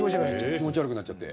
気持ち悪くなっちゃって。